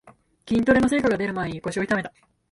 筋トレの成果がでる前に腰を痛めた